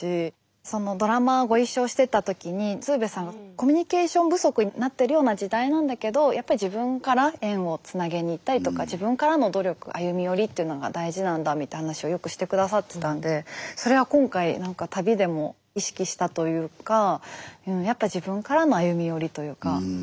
そのドラマご一緒してた時に鶴瓶さんがコミュニケーション不足になってるような時代なんだけどやっぱり自分から縁をつなげに行ったりとか自分からの努力歩み寄りっていうのが大事なんだみたいな話をよくして下さってたんでそれは今回何か旅でも意識したというかうんやっぱ自分からの歩み寄りというか。